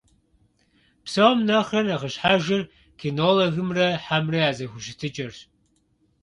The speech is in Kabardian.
Псом нэхърэ нэхъыщхьэжыр кинологымрэ хьэмрэ я зэхущытыкӀэрщ.